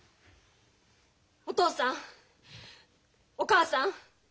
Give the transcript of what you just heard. お父さんお母さん